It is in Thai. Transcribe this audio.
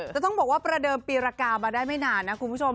แต่ต้องบอกว่าประเดิมปีรกามาได้ไม่นานนะคุณผู้ชม